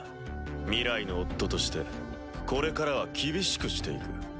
未来の夫としてこれからは厳しくしていく。